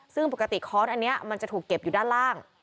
ซึ่งปกติค้อนอันนี้มันจะถูกเก็บอยู่ด้านล่าง